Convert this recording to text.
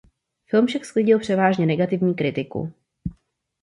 Film však sklidil převážně negativní kritiku.